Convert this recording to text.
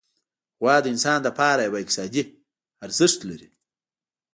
غوا د انسان لپاره یو اقتصادي ارزښت لري.